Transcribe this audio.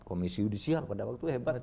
komisi yudisial pada waktu itu hebat